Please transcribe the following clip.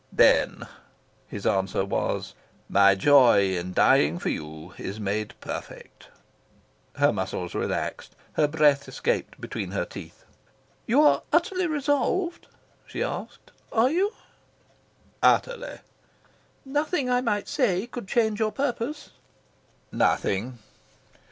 "Then," his answer was, "my joy in dying for you is made perfect." Her muscles relaxed. Her breath escaped between her teeth. "You are utterly resolved?" she asked. "Are you?" "Utterly." "Nothing I might say could change your purpose?" "Nothing."